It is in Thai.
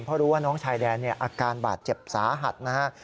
เพราะรู้ว่าน้องชายแดนอาการบาดเจ็บสาหัสนะฮะ